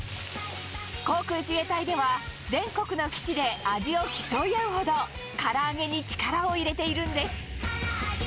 航空自衛隊では、全国の基地で味を競い合うほど、から揚げに力を入れているんです。